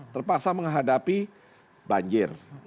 terpaksa menghadapi banjir